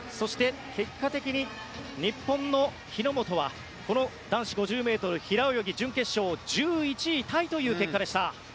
結果的に日本の日本はこの男子５０ｍ平泳ぎ準決勝１１位タイという結果でした。